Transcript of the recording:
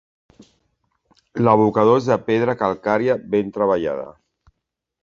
L'abocador és de pedra calcària ben treballada.